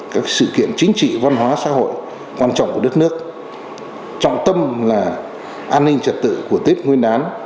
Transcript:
các sự kiện chính trị văn hóa xã hội quan trọng của đất nước trọng tâm là an ninh trật tự của tết nguyên đán